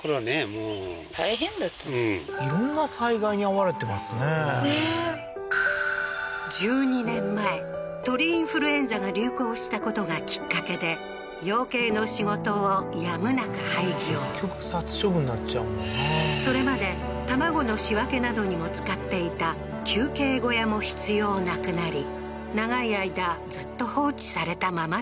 もう色んな災害に遭われてますねねえ１２年前鳥インフルエンザが流行したことがきっかけで養鶏の仕事をやむなく廃業結局殺処分になっちゃうもんなそれまで卵の仕分けなどにも使っていた休憩小屋も必要なくなり長い間ずっと放置されたままだった